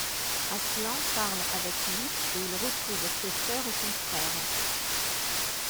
Aslan parle avec lui et il retrouve ses sœurs et son frère.